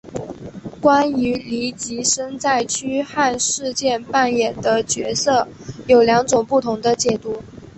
关于黎吉生在驱汉事件扮演的角色有两种不同解读。